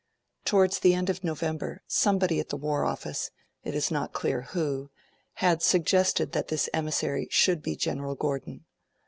Towards the end of November, somebody at the War Office it is not clear who had suggested that this emissary should be General Gordon.